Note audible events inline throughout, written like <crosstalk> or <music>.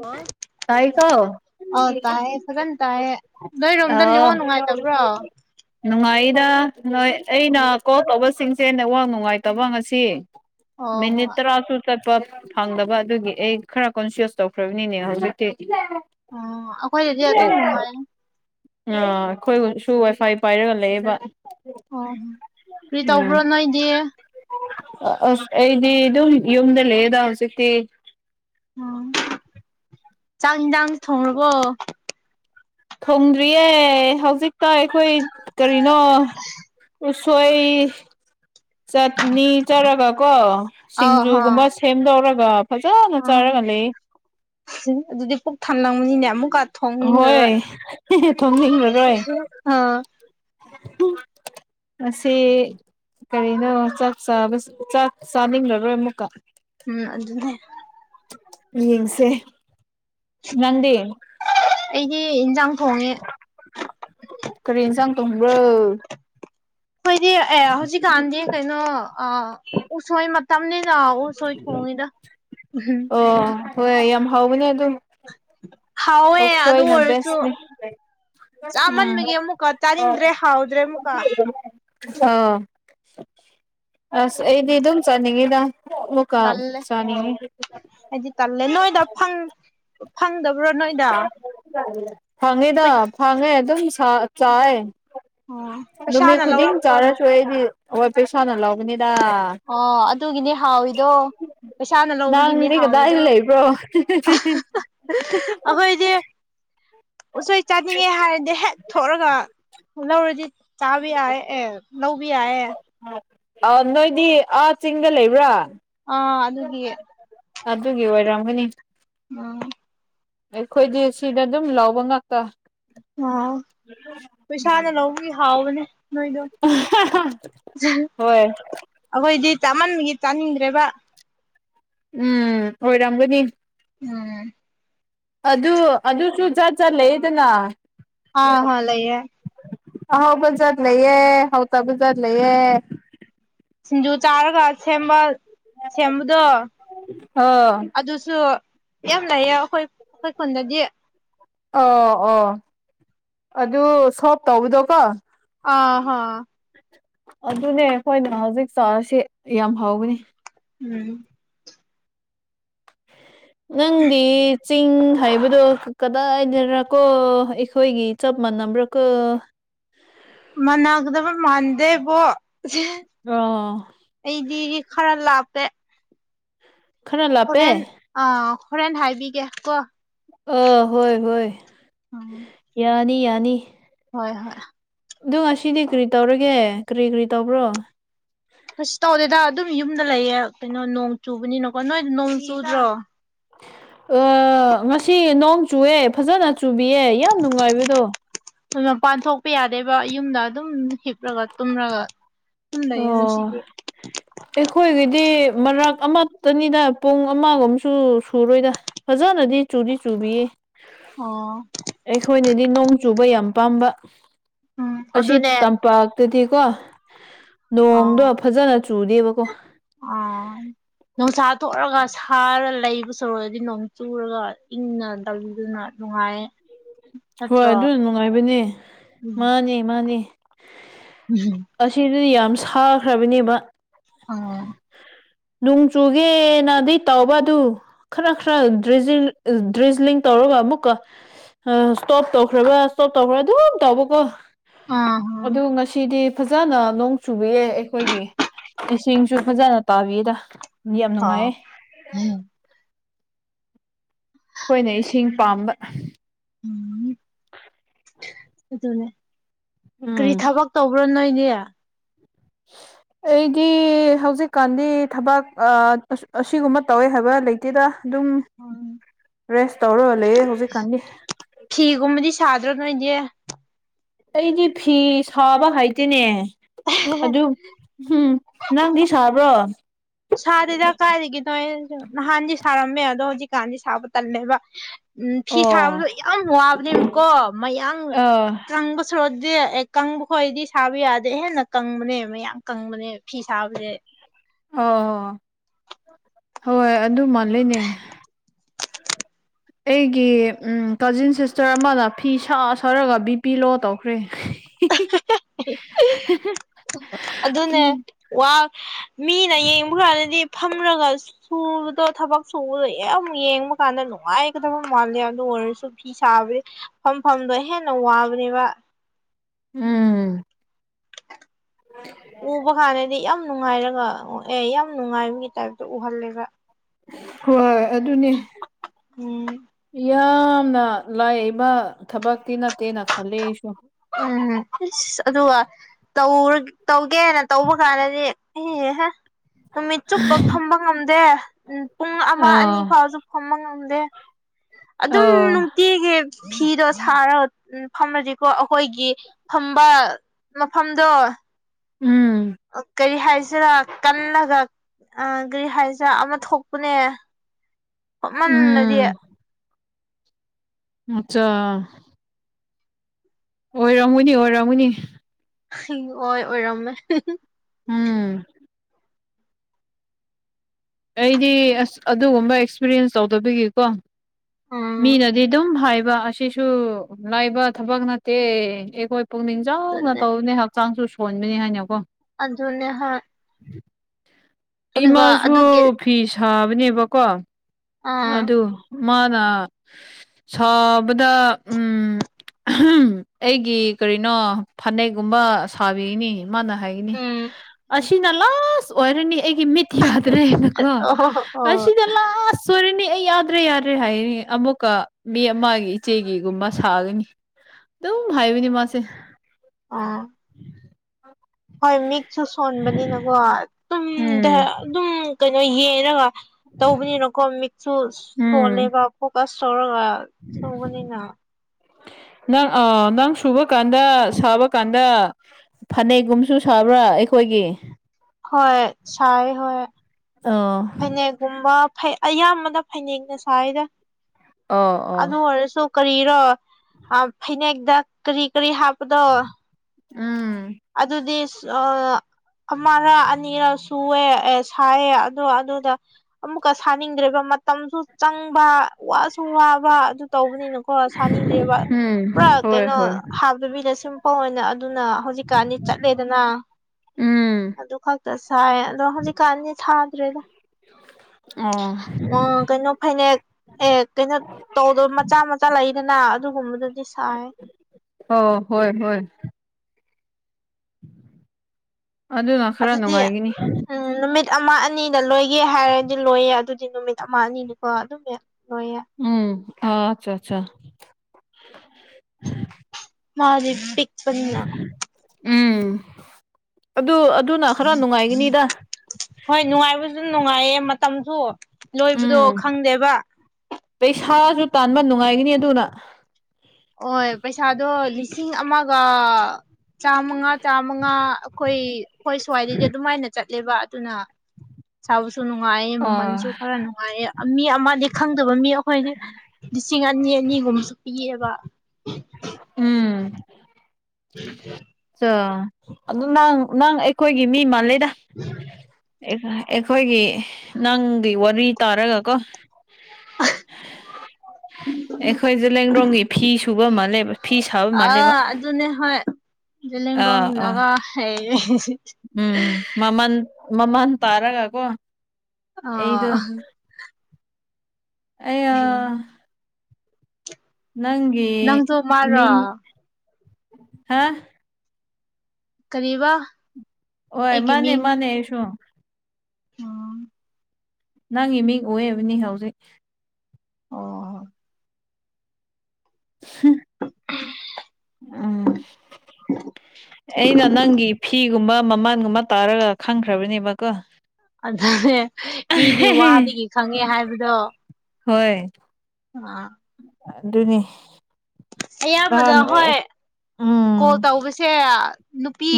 ꯍ ꯇꯥꯏꯀꯥꯎ ꯑꯧ ꯇꯥꯏꯌꯦꯦ ꯐꯖꯅ ꯇꯥꯏꯌꯦ ꯅꯣꯏꯔꯣꯝꯗ ꯑꯥ ꯂꯉꯣ ꯅꯨꯡꯉꯥꯏꯇꯕ꯭ꯔꯣ ꯅꯨꯡꯉꯥꯏꯗ ꯅꯣꯏ ꯑꯩꯅ ꯀꯣꯜ ꯇꯧꯕꯁꯤꯡꯁꯦ ꯅꯋꯥꯡ ꯅꯨꯡꯉꯥꯏꯇꯕ ꯉꯁꯤ ꯑꯣ ꯃꯤꯅꯤꯠ ꯍꯣꯏ ꯇꯔꯥꯁꯨ ꯆꯠꯄ ꯐꯪꯗꯕ ꯑꯗꯨꯒꯤ ꯑꯩ ꯈꯔ ꯀꯣꯟꯁꯤꯌꯁ ꯇꯧꯈ꯭ꯔꯕꯅꯤꯅꯦ ꯍꯧꯖꯤꯛꯇꯤ ꯑꯣ ꯑꯩꯈꯣꯏꯗꯗꯤ ꯑꯗꯨꯝ ꯅꯨꯡꯉꯥꯏ ꯑ ꯑꯩꯈꯣꯏꯁꯨ ꯋꯥꯏ ꯐꯥꯏ ꯄꯥꯏꯔꯒ ꯂꯩꯌꯦꯕ ꯑꯣ ꯍꯣ ꯀꯔꯤ ꯇꯧꯕ꯭ꯔꯣ ꯎꯝ ꯅꯣꯏꯗꯤ ꯑꯁ ꯑꯩꯗꯤ ꯑꯗꯨꯝ ꯌꯨꯝꯗ ꯂꯩꯑꯦꯗ ꯍꯧꯖꯤꯛꯇꯤ ꯎꯝ ꯆꯥꯛ ꯌꯦꯟꯁꯥꯡ ꯊꯣꯡꯈꯔꯕꯣ ꯊꯣꯡꯗ꯭ꯔꯤꯌꯦ ꯍꯧꯖꯤꯛꯇ ꯑꯩꯈꯣꯏ ꯀꯔꯤꯅꯣ ꯁꯣꯏ ꯆꯠꯅꯤ ꯆꯔꯒꯀꯣ ꯑꯧ ꯍꯣ ꯁꯤꯡꯖꯨꯒꯨꯝꯕ ꯁꯦꯝꯗꯧꯔꯒ ꯐꯖꯅ ꯎꯝ ꯆꯥꯔꯒ ꯂꯩ ꯑꯗꯨꯗꯤ ꯊꯝꯂꯪꯕꯅꯤꯅꯦ ꯑꯃꯨꯛꯀ ꯊꯣꯡꯅꯤꯡꯉꯔꯣꯏ ꯍꯣꯏ ꯑ ꯑꯁꯤꯁꯦ ꯀꯔꯤꯅꯣ ꯆꯥꯛ ꯆ ꯆꯥꯛ ꯆꯥꯅꯤꯡꯂꯔꯣꯏ ꯑꯃꯨꯛꯀ ꯎꯝ ꯑꯗꯨ ꯑꯗꯨꯗ ꯌꯦꯡꯁꯦ ꯅꯪꯗꯤ ꯑꯩꯗꯤ ꯏꯟꯖꯥꯡ ꯊꯣꯡꯉꯦ ꯀꯔꯤ ꯌꯦꯟꯁꯥꯡ ꯇꯣꯡꯕ꯭ꯔꯣ ꯑꯩꯈꯣꯏꯗꯤ ꯑꯦ ꯍꯧꯖꯤꯛꯀꯥꯟꯗꯤ ꯀꯩꯅꯣ ꯎꯁꯣꯏ ꯇꯝꯅꯤ ꯂꯥꯛꯎ ꯁꯣꯏ ꯊꯣꯡꯉꯤꯗ ꯎꯝ ꯑꯣ ꯍꯣꯏ ꯌꯥꯝ ꯍꯥꯎꯕꯅꯦ ꯑꯗꯨꯝ ꯍꯥꯎꯋꯦ ꯑꯗꯨ ꯑꯣꯏꯔꯁꯨ ꯕꯦꯁꯅꯦ ꯎꯝ ꯆꯥꯃꯟꯕꯒꯤ ꯑꯃꯨꯛꯀ ꯇꯥꯅꯤꯡꯗ꯭ꯔꯦ ꯍꯥꯎꯗ꯭ꯔꯦ ꯑꯃꯨꯛꯀ ꯑ ꯑꯁ ꯑꯩꯗꯤ ꯑꯗꯨꯝ ꯆꯠꯅꯤꯡꯉꯤꯗ ꯀ ꯇꯜꯂꯦ ꯁꯅꯤ ꯑꯩꯗꯤ ꯇꯜꯂꯦ ꯅꯣꯏꯗ ꯐꯝ ꯐꯪꯗꯕ꯭ꯔ ꯅꯣꯏꯗ ꯐꯪꯉꯦꯗ ꯐꯪꯉꯦ ꯑꯗꯨꯝ ꯁꯥꯎ ꯆꯥꯎ ꯌꯦ ꯅꯨꯃꯤꯠ ꯄꯩꯁꯥꯅ ꯈꯨꯗꯤꯡ ꯂꯧꯔꯛꯄ꯭ꯔꯣꯅ ꯆꯥꯔꯁꯨ ꯑꯩꯗꯤ ꯋꯥꯏ ꯄꯩꯁꯥꯅ ꯂꯧꯒꯅꯤꯗ ꯑꯣ ꯑꯗꯨꯒꯤꯅꯦ ꯍꯥꯎꯋꯤꯗꯣ ꯄꯩꯁꯥꯅ ꯂꯧꯕꯒꯤꯅꯦ ꯅꯪꯗꯤ ꯀꯗꯥꯏꯗ ꯍꯥꯎꯋꯤꯗꯣ <unintelligible> <unintelligible> ꯑꯈꯣꯏꯗꯤ ꯎꯁꯣꯏ ꯆꯥꯅꯤꯡꯉꯦ ꯍꯥꯏꯔꯗꯤ ꯍꯦꯛ ꯊꯣꯛꯂꯒ ꯂꯧꯔꯗꯤ ꯆꯥꯕ ꯌꯥꯏ ꯑꯦ ꯂꯧꯕ‌ ꯌꯥꯏ ꯑ ꯅꯣꯏꯗꯤ ꯑꯥ ꯆꯤꯡꯗ ꯂꯩꯕ꯭ꯔꯥ ꯑꯥ ꯑꯗꯨꯒꯤ ꯑꯗꯨꯒꯤ ꯑꯣꯏꯔꯝꯒꯅꯤ ꯎꯝ ꯑꯩꯈꯣꯏꯗꯤ ꯁꯤꯗ ꯑꯗꯨꯝ ꯂꯧꯕ ꯉꯥꯛꯇ ꯑꯣ ꯄꯩꯁꯥꯅ ꯂꯧꯕꯒꯤ ꯍꯥꯎꯕꯅꯦ ꯅꯣꯏꯗꯣ <unintelligible> ꯍꯣꯏ ꯑꯩꯈꯣꯏꯗꯤ ꯆꯥꯃꯟꯕꯒꯤ ꯆꯥꯅꯤꯡꯗ꯭ꯔꯦꯕ ꯎꯝ ꯑꯣꯏꯔꯝꯒꯅꯤ ꯎꯝ ꯑꯗꯨ ꯑꯗꯨꯁꯨ ꯖꯥꯠ ꯖꯥꯠ ꯂꯩꯗꯅ ꯑꯥ ꯍꯣꯏ ꯂꯩꯌꯦ ꯑꯍꯥꯎꯕ ꯖꯔ ꯂꯩꯌꯦ ꯍꯥꯎ ꯇꯕꯖꯥꯔ ꯂꯩꯌꯦ ꯁꯤꯡꯖꯨ ꯆꯥꯔꯒ ꯁꯦꯝꯕ ꯁꯦꯝꯕꯗꯣ ꯑꯥ ꯑꯗꯨꯁꯨ ꯌꯥꯝ ꯂꯩꯌꯦ ꯑꯩꯈꯣꯏ ꯑꯩꯈꯣꯏ ꯈꯨꯟꯗꯗꯤ ꯑꯣ ꯑꯣ ꯑꯗꯨ ꯁꯣꯞ ꯇꯧꯕꯗꯨꯀꯣ ꯑ ꯍꯥꯥ ꯑꯗꯨꯅꯦ ꯑꯩꯈꯣꯏꯅ ꯍꯧꯖꯤꯛ ꯆꯥꯔꯁꯤ ꯌꯥꯝ ꯍꯧꯕꯅꯤ ꯎꯝ ꯅꯪꯗꯤ ꯆꯤꯡ ꯍꯥꯏꯕꯗꯣ ꯀꯗꯥꯏꯗꯔ ꯀꯣ ꯑꯩꯈꯣꯏꯒꯤ ꯆꯞ ꯃꯥꯟꯅꯕ꯭ꯔꯥꯀꯣ ꯃꯥꯟꯅꯒꯗꯕ ꯃꯥꯟꯗꯦꯕꯣ <unintelligible> ꯑꯣ ꯑꯩꯗꯤ ꯈꯔ ꯂꯥꯞꯄꯦ ꯈꯔ ꯂꯥꯞꯄꯦ ꯍꯣꯔꯦꯟ ꯑ ꯍꯣꯔꯦꯟ ꯍꯥꯏꯕꯤꯒꯦ ꯀꯣ ꯑ ꯍꯣꯏ ꯍꯣꯏ ꯎꯝ ꯌꯥꯅꯤ ꯌꯥꯅꯤ ꯍꯣꯏ ꯍꯣꯏ ꯑꯗꯨ ꯉꯁꯤꯗꯤ ꯀꯔꯤ ꯇꯧꯔꯒꯦ ꯀꯔꯤ ꯀꯔꯤ ꯇꯧꯕ꯭ꯔꯣ ꯀꯩꯁꯨ ꯇꯧꯗꯦꯗ ꯑꯗꯨꯝ ꯌꯨꯝꯗ ꯂꯩꯌꯦ ꯀꯩꯅꯣ ꯅꯣꯡ ꯆꯨꯕꯅꯤꯅꯀꯣ ꯅꯣꯏ ꯅꯣꯡ ꯆꯨꯗ꯭ꯔꯣ ꯉꯁꯤ ꯅꯣꯡ ꯆꯨꯑꯦ ꯐꯖꯅ ꯆꯨꯕꯤꯌꯦ ꯌꯥꯝ ꯅꯨꯡꯉꯥꯏꯕꯗꯣ ꯍꯣꯏ ꯃꯄꯥꯟ ꯊꯣꯛꯄ ꯌꯥꯗꯦꯕ ꯌꯨꯝꯗ ꯑꯗꯨꯝ ꯍꯤꯞꯂꯒ ꯇꯨꯝꯔꯒ ꯗꯨꯝ ꯂꯩꯌꯦ ꯑꯣ ꯉꯁꯤꯗꯤ <unintelligible> ꯑꯩꯈꯣꯏꯒꯤꯗꯤ ꯃꯔꯛ ꯑꯃꯇꯅꯤꯗ ꯄꯨꯡ ꯑꯃꯒꯨꯝꯁꯨ ꯁꯨꯔꯣꯏꯗ ꯐꯖꯅꯗꯤ ꯆꯨꯗꯤ ꯆꯨꯕꯤꯌꯦ ꯑꯣ ꯑꯩꯈꯣꯏꯅꯗꯤ ꯅꯣꯡ ꯆꯨꯕ ꯌꯥꯝ ꯄꯥꯝꯕ ꯎꯝ ꯑꯁꯤ ꯑꯗꯨꯅꯦ ꯇꯝꯄꯥꯛ ꯑꯗꯨꯗꯤꯀꯣ ꯑꯣ ꯅꯣꯡꯗꯣ ꯐꯖꯅ ꯆꯨꯅꯤꯕꯀꯣ ꯑꯥ ꯅꯨꯡꯁꯥ ꯊꯣꯛꯂꯒ ꯁꯥꯔ ꯂꯩꯕ ꯁꯣꯔꯗꯗꯤ ꯅꯣꯡ ꯆꯨꯔꯒ ꯏꯪꯅ ꯇꯧꯕꯕꯤꯗꯨꯅ ꯅꯨꯡꯉꯥꯏ ꯍꯣꯏ ꯅꯠꯇ꯭ꯔꯣ ꯑꯗꯨ ꯅꯨꯡꯉꯥꯏꯕꯅꯦ ꯃꯥꯅꯦ ꯃꯥꯅꯦ ꯎꯝ ꯑꯁꯤꯗꯗꯤ ꯌꯥꯝ ꯁꯥꯈ꯭ꯔꯕꯅꯦꯕ ꯑꯣ ꯅꯣꯡ ꯆꯨꯒꯦꯅꯗꯤ ꯇꯧꯕ ꯑꯗꯨ ꯈꯔ ꯈꯔ ꯗ꯭ꯔꯦꯖꯤꯡ ꯗ꯭ꯔꯤꯖꯂꯤꯡ ꯇꯧꯔꯒ ꯑꯃꯨꯛꯀ ꯏꯁꯇꯣꯞ ꯇꯧꯈ꯭ꯔꯕ ꯏꯁꯇꯣꯞ ꯇꯧꯈ꯭ꯔ ꯑꯗꯨꯝ ꯇꯧꯕꯀꯣ ꯑꯥ ꯑꯗꯨ ꯉꯁꯤ ꯉꯁꯤꯗꯤ ꯐꯖꯅ ꯅꯣꯡ ꯆꯨꯕꯤꯌꯦ ꯑꯩꯈꯣꯏꯒꯤ ꯏꯁꯤꯡꯁꯨ ꯐꯖꯅ ꯇꯥꯕꯤꯌꯦꯗ ꯌꯥꯝ ꯅꯨꯡꯉꯥꯏꯌꯦ ꯎꯝ ꯑꯩꯈꯣꯏꯅ ꯏꯁꯤꯡ ꯄꯥꯝꯕ ꯑꯗꯨꯅꯦ ꯀꯔꯤ ꯎꯝ ꯊꯕꯛ ꯇꯧꯕ꯭ꯔꯣ ꯅꯣꯏꯗꯤ <unintelligible> ꯑꯩꯗꯤ ꯍꯧꯖꯤꯛꯀꯥꯟꯗꯤ ꯊꯕꯥꯛ ꯑꯁꯤꯒꯨꯝꯕ ꯇꯧꯋꯦ ꯍꯥꯏꯕ ꯂꯩꯇꯦꯗ ꯑꯗꯨꯝ ꯔꯦꯁ ꯇꯧꯔꯒ ꯂꯩꯌꯦ ꯍꯧꯖꯤꯛ ꯀꯥꯟꯗꯤ ꯐꯤꯒꯨꯝꯕꯗꯤ ꯁꯥꯗ꯭ꯔꯣ ꯅꯣꯏꯗꯤ ꯑꯩꯗꯤ ꯐꯤ ꯁꯥꯕ ꯍꯥꯏꯇꯦꯅꯦ ꯑꯗꯨ ꯎꯝ ꯅꯪꯗꯤ ꯁꯥꯕ꯭ꯔꯣ ꯁꯥꯗꯦꯗ ꯀꯥꯏꯗꯒꯤꯅꯣ ꯅꯍꯥꯟꯗꯤ ꯁꯥꯔꯝꯃꯦ ꯑꯗꯣ ꯍꯧꯖꯤꯛꯀꯥꯟꯗꯤ ꯁꯥꯕ ꯇꯜꯂꯦꯕ ꯎꯝ ꯐꯤ ꯑꯣ ꯁꯥꯕꯗꯣ ꯌꯥꯝ ꯋꯥꯕꯅꯦꯕꯀꯣ ꯃꯌꯥꯡ ꯑꯥ ꯀꯪꯕ ꯁꯣꯔꯣꯗꯤ ꯑꯦ ꯀꯪꯕ ꯈꯣꯏꯗꯤ ꯁꯥꯕ ꯌꯥꯗꯦ ꯍꯦꯟꯅ ꯀꯪꯕꯅꯦ ꯃꯌꯥꯝ ꯀꯪꯕꯅꯦ ꯐꯤ ꯁꯥꯕꯁꯦ ꯑꯣ ꯍꯣꯏ ꯑꯗꯨ ꯃꯥꯜꯂꯤꯅꯦ ꯑꯩꯒꯤ ꯀꯖꯤꯟ ꯑꯞ ꯁꯤꯁꯇꯔ ꯑꯃꯅ ꯐꯤ ꯁꯥ ꯁꯥꯔꯒ ꯕꯤ ꯄꯤ ꯂꯣ ꯇꯧꯈ꯭ꯔꯦ <unintelligible> ꯑꯗꯨꯅꯦ ꯋꯥ ꯃꯤꯅ ꯌꯦꯡꯕ ꯀꯥꯟꯗꯗꯤ ꯐꯝꯔꯒ ꯁꯨꯕꯗꯣ ꯊꯕꯛ ꯁꯨꯕꯗꯣ ꯌꯥꯝ ꯌꯦꯡꯕ ꯀꯥꯟꯗ ꯅꯨꯡꯉꯥꯏꯒꯗꯕ ꯃꯥꯜꯂꯦ ꯑꯗꯨ ꯑꯣꯏꯔꯁꯨ ꯐꯤ ꯁꯥꯕꯁꯦ ꯐꯝꯐꯝꯗꯣ ꯍꯦꯟꯅ ꯋꯥꯕꯅꯦꯕ ꯎꯝ ꯎꯕ ꯀꯥꯟꯗꯗꯤ ꯌꯥꯝ ꯅꯨꯡꯉꯥꯏꯔꯒ ꯑꯦ ꯌꯥꯝ ꯅꯨꯡꯉꯥꯏꯕꯒꯤ ꯇꯥꯏꯞꯇ ꯎꯍꯜꯂꯦꯕ ꯍꯣꯏ ꯑꯗꯨꯅꯦ ꯎꯝ ꯌꯥꯝꯅ ꯂꯥꯏꯏ ꯊꯕꯛꯇꯤ ꯅꯠꯇꯦꯅ ꯈꯜꯂꯦ ꯑꯩꯁꯨ ꯎꯝ ꯏꯁ ꯑꯗꯨꯒ ꯇꯧꯔ ꯇꯧꯒꯦꯅ ꯇꯧꯕ ꯀꯥꯟꯗꯗꯤ ꯏ ꯍꯥ ꯅꯨꯃꯤꯠ ꯆꯨꯞꯄ ꯐꯝꯕ ꯉꯝꯗꯦ ꯄꯨꯡ ꯑꯃ ꯑꯅꯤ ꯑꯥ ꯐꯥꯎꯁꯨ ꯐꯝꯕ ꯉꯝꯗꯦ ꯑꯗꯨꯝ ꯑꯥꯎ ꯅꯨꯡꯇꯤꯒꯤ ꯐꯤꯗꯣ ꯁꯥꯔꯒ ꯎꯝ ꯐꯝꯃꯗꯤꯀꯣ ꯑꯈꯣꯏꯒꯤ ꯐꯝꯕ ꯃꯐꯝꯗꯣ ꯎꯝ ꯀꯔꯤ ꯍꯥꯏꯁꯤꯔ ꯀꯜꯂꯒ ꯑ ꯀꯔꯤ ꯍꯥꯏꯁꯤꯔ ꯑꯃ ꯊꯣꯛꯄꯅꯦ ꯐꯝꯃꯟꯂꯗꯤ ꯎꯝ ꯃꯥꯆꯥ ꯑꯣꯏꯔꯝꯒꯅꯤ ꯑꯣꯏꯔꯝꯒꯅꯤ <unintelligible> ꯑꯣꯏ ꯑꯣꯏꯔꯝꯃꯦ ꯎꯝ ꯑꯩꯗꯤ ꯑꯁ ꯑꯗꯨꯒꯨꯝꯕ ꯑꯦꯛꯁꯄꯤꯔꯤꯌꯦꯟꯁ ꯇꯧꯗꯕꯒꯤꯀꯣ <unintelligible> ꯃꯤꯅꯗꯤ ꯑꯗꯨꯝ ꯍꯥꯏꯕ ꯑꯁꯤꯁꯨ ꯂꯥꯏꯕ ꯊꯕꯛ ꯅꯠꯇꯦ ꯑꯩꯈꯣꯏ ꯄꯨꯛꯅꯤꯡ ꯆꯪꯅ ꯑꯗꯨꯅꯦ ꯇꯧꯕꯅꯦ ꯍꯛꯆꯥꯡꯁꯨ ꯁꯣꯟꯕꯅꯤ ꯍꯥꯏꯅꯀꯣ ꯑꯗꯨꯅꯦ ꯍꯣꯏ <inaudible> ꯑꯗꯨꯒ ꯏꯃꯥꯁꯨ ꯑꯗꯨꯒꯤ ꯐꯤ ꯁꯥꯕꯅꯦꯕꯀꯣ ꯑꯥ ꯑꯗꯨ ꯃꯥꯅ ꯁꯥꯕꯗ ꯎꯝ ꯑꯍꯝ ꯑꯩꯒꯤ ꯀꯔꯤꯅꯣ ꯐꯅꯦꯛꯒꯨꯝꯕ ꯁꯥꯕꯤꯅꯤ ꯃꯥꯅ ꯍꯥꯏꯅꯤ ꯎꯝ ꯑꯁꯤꯅ ꯂꯥꯁ ꯑꯣꯏꯔꯅꯤ ꯑꯩꯒꯤ ꯃꯤꯠ ꯌꯥꯗ꯭ꯔꯦꯅꯀꯣ ꯑꯣ ꯍꯣ ꯍꯣ ꯑꯁꯥꯏꯗ ꯂꯥꯛꯑꯣ ꯁꯣꯏꯔꯅꯤ ꯑꯦ ꯌꯥꯗ꯭ꯔꯦ-ꯌꯥꯗ꯭ꯔꯦ ꯍꯥꯏꯅꯤ ꯑꯃꯨꯛꯀ ꯃꯤ ꯑꯃꯒꯤ ꯏꯆꯦꯒꯤꯒꯨꯝꯕ ꯁꯥꯒꯅꯤ ꯑꯗꯨ ꯍꯥꯏꯥꯕꯤꯅꯤ ꯃꯥꯁꯦ <inaudible> ꯍꯣꯏ ꯃꯤꯛꯁꯨ ꯁꯣꯟꯕꯅꯤꯅꯀꯣ ꯑꯗꯨꯝ ꯎꯝ ꯑꯗꯨꯝ ꯀꯩꯅꯣ ꯌꯦꯔꯒ ꯇꯧꯕꯅꯤꯅꯀꯣ ꯃꯤꯛꯁꯨ ꯎꯝ ꯁꯣꯜꯂꯦꯕ ꯐꯣꯀꯁ ꯇꯧꯔꯒ ꯁꯣꯡꯕꯅꯤꯅ ꯅꯪ ꯑ ꯅꯪ ꯁꯨꯕ ꯀꯥꯟꯗ ꯁꯥꯕ ꯀꯥꯟꯗ ꯐꯅꯦꯛꯒꯨꯝꯁꯨ ꯁꯥꯕ꯭ꯔꯥ ꯑꯩꯈꯣꯏꯒꯤ ꯍꯣꯏ ꯁꯥꯏ ꯍꯣꯏ ꯑꯣ ꯐꯅꯦꯛꯀꯨꯝꯕ ꯑꯌꯥꯝꯕꯅ ꯐꯅꯦꯛꯅ ꯁꯥꯏꯗ ꯑꯣ ꯑꯗꯨ ꯑꯣꯏꯔꯁꯨ ꯀꯔꯤꯔꯣ ꯐꯅꯦꯛꯛꯇ ꯀꯔꯤ - ꯀꯔꯤ ꯍꯥꯞꯄꯗꯣ ꯎꯝ ꯑꯗꯨꯗꯤ ꯑ ꯑꯃꯔ ꯑꯅꯤꯔ ꯁꯨꯑꯦ ꯑꯦ ꯁꯥꯏꯌꯦ ꯑꯗꯣ ꯑꯗꯨꯗ ꯑꯃꯨꯛꯀ ꯁꯥꯅꯤꯡꯗ꯭ꯔꯦꯕ ꯃꯇꯝꯁꯨ ꯆꯪꯕ ꯋꯥꯁꯨ ꯋꯥꯕ ꯑꯗꯨ ꯇꯧꯕꯅꯤꯅꯀꯣ ꯍꯣ ꯁꯥꯅꯤꯡꯗꯦꯕ ꯎꯝ ꯄꯨꯔꯥ ꯍꯣꯏ ꯀꯩꯅꯣ ꯍꯣꯏ ꯍꯥꯞꯗꯕꯤꯗ ꯁꯤꯝꯄꯜ ꯑꯣꯏꯅ ꯑꯗꯨꯅ ꯀꯅꯤ ꯆꯠꯂꯦꯗꯅ ꯎꯝ ꯑꯗꯨ ꯈꯛꯇ ꯁꯥꯏ ꯑꯗꯣ ꯍꯧꯖꯤꯛꯀꯥꯟꯗꯤ ꯊꯥꯗ꯭ꯔꯦꯗ ꯑꯣ ꯎ ꯀꯩꯅꯣ ꯐꯅꯦꯛ ꯑꯦ ꯀꯩꯅꯣ ꯇꯧꯗꯕ ꯃꯆꯥ ꯃꯆꯥ ꯂꯩꯥꯗꯅ ꯑꯗꯨꯒꯨꯝꯕꯗꯨꯗꯤ ꯁꯥꯏ ꯑꯣ ꯍꯣꯏ - ꯍꯣꯏ ꯑꯗꯨꯅ ꯈꯔ ꯑꯗꯨꯗꯤ ꯅꯨꯡꯉꯥꯏꯒꯤꯅꯤ ꯎꯝ ꯅꯨꯃꯤꯠ ꯑꯃ ꯑꯅꯤꯗ ꯂꯣꯏꯒꯦ ꯍꯥꯏꯔꯗꯤ ꯂꯣꯏꯌꯦ ꯑꯗꯨꯗꯤ ꯅꯨꯃꯤꯠ ꯑꯃ ꯑꯅꯤꯗꯨꯀꯣ ꯑꯗꯨꯝ ꯂꯣꯌꯥ ꯎꯝ ꯑꯆꯥꯆꯥ ꯑꯆꯥ ꯃꯥꯗꯤ ꯄꯤꯛꯄꯅꯤꯅ ꯎꯝ ꯑꯗꯨ ꯑꯗꯨꯅ ꯈꯔ ꯅꯨꯡꯉꯥꯏꯒꯅꯤꯗ ꯍꯣꯏ ꯅꯨꯡꯉꯥꯏꯕꯁꯨ ꯅꯨꯡꯉꯥꯏꯌꯦ ꯃꯇꯝꯁꯨ ꯂꯣꯏꯕꯗꯣ ꯎꯝ ꯈꯪꯗꯦꯕ ꯄꯩꯁꯥꯁꯨ ꯇꯥꯟꯕ ꯅꯨꯡꯉꯥꯏꯒꯅꯤ ꯑꯗꯨꯅ ꯑꯣꯏ ꯄꯩꯁꯥꯗꯣ ꯂꯤꯁꯤꯡ ꯑꯃꯒ ꯆꯥꯃꯉꯥ ꯆꯥꯃꯉꯥ ꯑꯩꯈꯣꯏ ꯍꯣꯏ ꯁ꯭ꯋꯥꯏꯗꯗꯤ ꯑꯗꯨꯃꯥꯏꯅ ꯆꯠꯂꯦꯕ ꯑꯗꯨꯅ ꯁꯥꯕꯁꯨ ꯅꯨꯡꯉꯥꯏꯌꯦ ꯑ ꯃꯃꯜꯁꯨ ꯈꯔ ꯅꯨꯡꯉꯥꯏꯌꯦ ꯃꯤ ꯑꯃꯗꯤ ꯈꯪꯗꯕ ꯃꯤ ꯑꯩꯈꯣꯏꯗꯤ ꯂꯤꯁꯤꯡ ꯑꯅꯤ - ꯑꯅꯤ ꯒꯨꯝꯁꯨ ꯄꯤꯌꯦꯕ ꯎꯝ ꯎ ꯑ ꯑꯗꯨ ꯅꯪ-ꯅꯪ ꯑꯩꯈꯣꯏꯒꯤ ꯃꯤ ꯃꯥꯜꯂꯦꯗ <inaudible> ꯑ ꯑꯩꯈꯣꯏꯒꯤ ꯅꯪꯒꯤ ꯋꯥꯔꯤ ꯇꯥꯔꯒꯀꯣ ꯑꯩꯈꯣꯏꯁꯦ ꯂꯦꯡꯗꯔꯣꯡꯒꯤ ꯐꯤ ꯁꯨꯕ ꯃꯜꯂꯦꯕ ꯑꯥ ꯑꯗꯨꯅꯦ ꯍꯣꯏ ꯖꯂꯪꯕꯔꯣꯡ ꯑꯥ ꯑꯥ ꯅꯒ ꯍꯩ ꯎꯝ ꯃꯃꯟ ꯃꯃꯟ ꯇꯔꯒ ꯀꯣ <unintelligible> ꯑꯌꯣ ꯑꯗꯨꯅꯤ ꯅꯪꯒꯤ ꯅꯪꯁꯨ ꯃꯥꯔꯣ ꯃꯤꯡ ꯍꯥ ꯀꯥꯔꯤꯕꯥ ꯍꯣꯏ ꯃꯅꯦ ꯃꯥꯅꯦ ꯁ ꯍ ꯅꯪꯒꯤ ꯃꯤꯡ ꯑꯣꯏꯕꯅꯤ ꯍꯧꯖꯤꯛ ꯑꯣ ꯍ ꯎꯝ ꯎꯝ ꯑꯩꯅ ꯅꯪꯒꯤ ꯐꯤ ꯒꯨꯝꯕ ꯃꯃꯥꯟꯒꯨꯝꯕ ꯇꯥꯔꯒ ꯈꯪꯈ꯭ꯔꯕꯅꯦꯕꯀꯣ ꯑꯗꯅꯦ ꯃꯤꯗꯤ ꯋꯥꯗꯒꯤ ꯈꯪꯉꯦ ꯍꯥꯏꯕꯗꯣ ꯍꯣꯏ ꯑ ꯑꯗꯨꯅꯤ ꯑꯌꯥꯝꯕꯗ ꯅꯍꯥꯟ ꯍꯣꯏ ꯀꯣꯜ ꯎꯝ ꯇꯧꯕꯁꯦ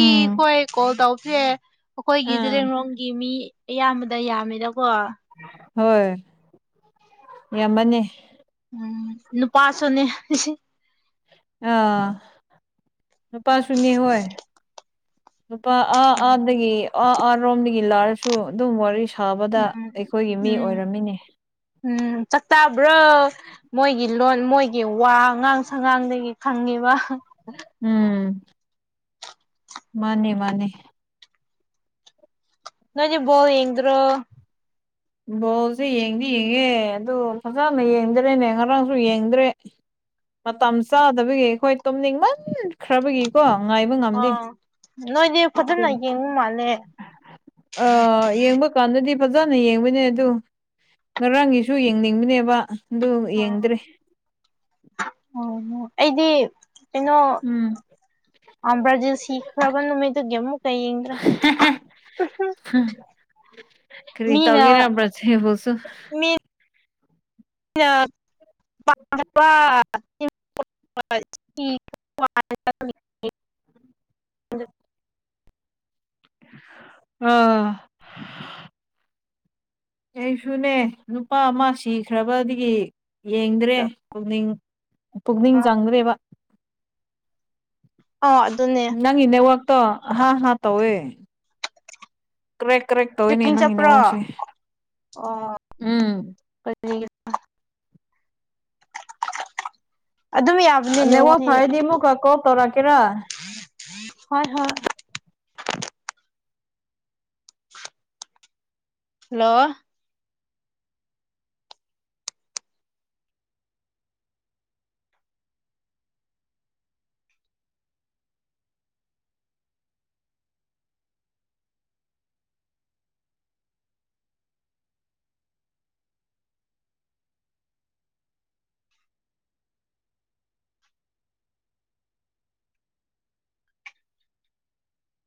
ꯎꯝ ꯀꯣꯜ ꯇꯧꯁꯦ ꯑꯩꯈꯣꯏꯒꯤ ꯑꯥ ꯂꯡꯂꯣꯡꯒꯤ ꯃꯤ ꯑꯌꯥꯝꯕꯗ ꯌꯥꯝꯃꯦꯗꯀꯣ ꯍꯣꯏ ꯌꯥꯝ ꯃꯅꯦ ꯎꯝ ꯅꯨꯄꯥꯁꯨꯣꯅꯦ ꯑꯥ ꯅꯨꯄꯥ ꯁꯅꯤ ꯍꯣꯏ ꯅꯨꯄꯥ ꯑꯥ ꯑꯥꯗꯒꯤ ꯑꯥ ꯑꯥꯔꯣꯝꯗꯒꯤ ꯂꯥꯛꯑꯔꯁꯨ ꯑꯗꯨꯝ ꯋꯥꯔꯤ ꯊꯥꯕꯗ ꯎꯝ ꯑꯩꯈꯣꯏꯒꯤ ꯃꯤ ꯎꯝ ꯑꯣꯏꯔꯝꯃꯤꯅꯦ ꯎꯝ ꯆꯥꯛꯇꯥꯕ꯭ꯔꯣ ꯃꯣꯏꯒꯤ ꯂꯣꯟ ꯃꯣꯏꯒꯤ ꯋꯥ ꯑꯉꯥꯡ ꯁꯉꯥꯡꯗꯒꯤ ꯈꯪꯉꯤꯕ ꯎꯝ ꯃꯥꯅꯦ ꯃꯥꯅꯦ ꯅꯣꯏꯗꯤ ꯕꯣꯜ ꯌꯦꯡꯗ꯭ꯔꯣ ꯕꯣꯜꯁꯦ ꯌꯦꯡꯗꯤ ꯌꯦꯡꯉꯦ ꯑꯗꯨ ꯐꯖꯅ ꯌꯦꯡꯗ꯭ꯔꯦꯅꯦ ꯉꯔꯥꯡꯁꯨ ꯌꯦꯡꯗ꯭ꯔꯦ ꯃꯇꯝ ꯆꯥꯗꯕꯒꯤ ꯑꯩꯈꯣꯏ ꯇꯨꯝꯅꯤꯡꯃꯟ ꯈ꯭ꯔꯕꯒꯤꯀꯣ ꯉꯥꯏꯕ ꯉꯝꯗꯦ ꯑꯗꯨ ꯏꯪ ꯃꯂꯦ ꯑ ꯌꯦꯡꯕ ꯗꯨꯀꯥꯟꯗꯗꯤ ꯐꯖꯅ ꯌꯦꯡꯕꯅꯦ ꯑꯗꯨ ꯉꯔꯥꯡꯒꯤꯁꯨ ꯌꯦꯡꯅꯤꯡꯕꯅꯦꯕ ꯑꯗꯨ ꯌꯦꯡꯗ꯭ꯔꯦ ꯑꯣꯝ ꯑꯩꯗꯤ ꯀꯩꯅꯣ ꯎꯝ ꯑ ꯕꯔꯖꯤꯜ ꯁꯤꯈꯔꯕ ꯅꯨꯃꯤꯠꯇꯨꯒꯤ ꯑꯃꯨꯛ <unintelligible> ꯈꯔꯤ ꯃꯤꯅ ꯇꯎꯒꯦꯔꯦ ꯌꯥꯝ ꯁꯤꯕꯨꯁꯨ <unintelligible> ꯑꯥ ꯑꯩꯁꯨꯅꯦ ꯅꯨꯄꯥ ꯑꯃ ꯁꯤꯈ꯭ꯔꯕꯗꯒꯤ ꯌꯦꯡꯗ꯭ꯔꯦ ꯄꯨꯛꯅꯤꯡ ꯄꯨꯛꯅꯤꯡ ꯆꯪꯗ꯭ꯔꯦꯕ ꯑꯣ ꯑꯗꯨꯅꯦ ꯅꯪꯒꯤ ꯅꯦꯠꯋꯥꯛ ꯇꯣ ꯍꯥ ꯍꯥ ꯇꯧꯋꯦ ꯀ꯭ꯔꯦꯛ ꯀ꯭ꯔꯦꯛ ꯇꯧꯋꯤꯅꯦ ꯄꯤꯅꯤꯡ ꯅꯪꯒꯤ ꯆꯠꯄ꯭ꯔꯣ ꯅꯦꯠꯋꯥꯛꯁꯦ ꯑꯣ ꯎꯝ ꯀꯔꯤ ꯑꯗꯨꯝ ꯌꯥꯕꯅꯤꯅꯦ ꯅꯉ ꯋꯥꯗꯤ ꯐꯥꯏꯗꯤꯃꯨ ꯀ ꯀꯣ ꯇꯧꯔꯥꯀꯦꯔꯥ ꯍꯣꯏ ꯍꯣꯏ ꯍꯜꯂꯣ